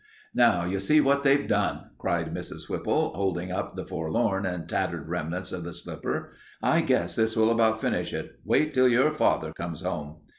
"Now you see what they've done!" cried Mrs. Whipple, holding up the forlorn and tattered remnants of the slipper. "I guess this will about finish it. Wait till your father comes home."